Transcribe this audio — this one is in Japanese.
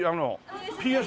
『ＰＳ』。